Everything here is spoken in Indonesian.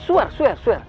suar suar suar